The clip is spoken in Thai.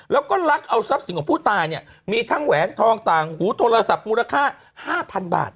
แล้วก็ลักเอาทรัพย์สินของผู้ตายเนี่ยมีทั้งแหวนทองต่างหูโทรศัพท์มูลค่า๕๐๐๐บาท